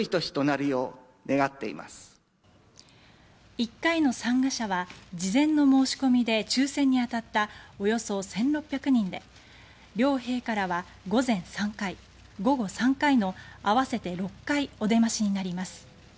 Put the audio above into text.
１回の参賀者は事前の申し込みで抽選に当たったおよそ１６００人で両陛下らは午前３回午後３回の合わせて６回お出ましになります。